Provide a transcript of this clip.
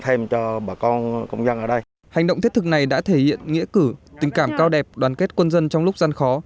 hành động thiết thực này đã thể hiện nghĩa cử tình cảm cao đẹp đoàn kết quân dân trong lúc gian khó